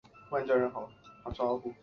此事被阴谋论者认为是挑衅中共党庆。